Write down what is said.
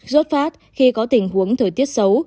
rốt phát khi có tình huống thời tiết xấu